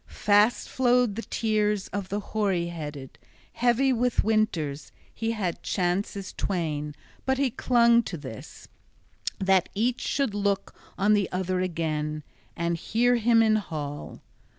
Fast flowed the tears of the hoary headed. Heavy with winters, he had chances twain, but he clung to this, {26a} that each should look on the other again, and hear him in hall.